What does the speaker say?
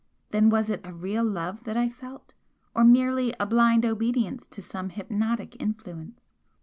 Then was it a real love that I felt, or merely a blind obedience to some hypnotic influence?